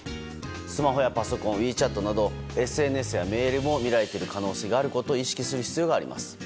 スマホやパソコンＷｅＣｈａｔなどＳＮＳやメールも見られている可能性があることも意識する必要があります。